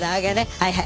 はいはい。